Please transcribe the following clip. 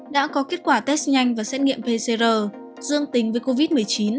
đã có kết quả test nhanh và xét nghiệm pcr dương tính với covid một mươi chín